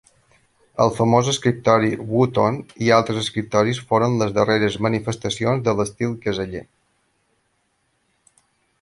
El famós escriptori Wooton i altres escriptoris foren les darreres manifestacions de l'estil "caseller".